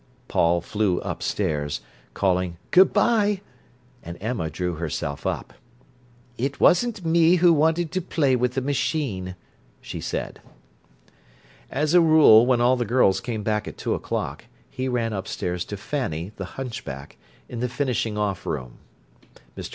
Paul flew upstairs, calling "Good bye!" and Emma drew herself up. "It wasn't me who wanted him to play with the machine," she said. As a rule, when all the girls came back at two o'clock, he ran upstairs to Fanny, the hunchback, in the finishing off room. Mr.